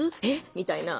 みたいな。